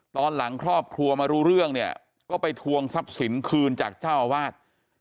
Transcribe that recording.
ตอนหลังครอบครัวมารู้เรื่องเนี่ยก็ไปทวงทรัพย์สินคืนจากเจ้าอาวาส